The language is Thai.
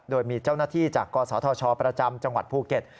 โดยมีเจ้าหน้าที่จากกศธชประจำจังหวัดภูเก็ต